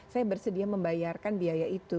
saya bersedia membayarkan biaya itu